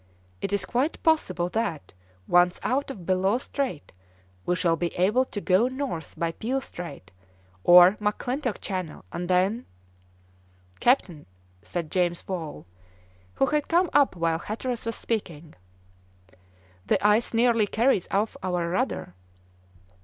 It is quite possible that, once out of Bellot Strait, we shall be able to go north by Peel Strait or McClintock Channel, and then " "Captain," said James Wall, who had come up while Hatteras was speaking, "the ice nearly carries off our rudder."